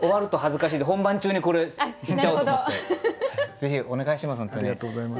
ぜひお願いします